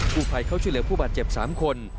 ผู้ภัยเข้าช่วยเหลือผู้บาดเจ็บ๓คน